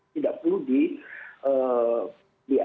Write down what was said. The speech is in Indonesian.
tidak perlu di